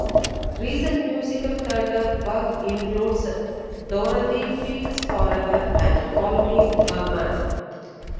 Recent musical theatre work includes: "Dorothy Fields Forever" and "Call Me Merman".